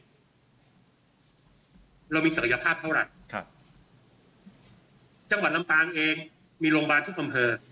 เรามีศักยภาพเท่าไหร่ครับจังหวัดลำปางเองมีโรงพยาบาลทุกอำเภอ